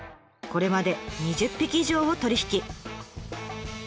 これまで２０匹以上を取り引き。